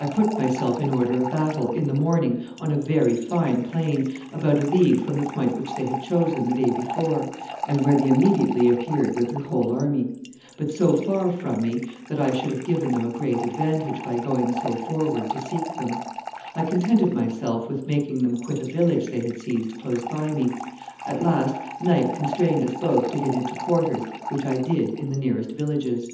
I put myself in order of battle, in the morning, on a very fine plain, about a league from the point which they had chosen the day before, and where they immediately appeared with their whole army, but so far from me that I should have given them a great advantage by going so forward to seek them; I contented myself with making them quit a village they had seized close by me; at last, night constrained us both to get into quarters, which I did in the nearest villages.